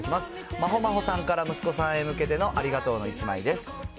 まほまほさんから息子さんへ向けてのありがとうの１枚です。